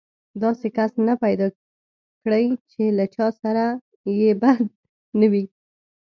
داسې کس به پيدا نه کړې چې له چا سره يې بدي نه وي.